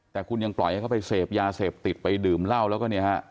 แต่คุณยังปล่อยให้เขาไปเสพยาเสพติดไปดื่มเหล้าแล้วก็เนี่ยฮะ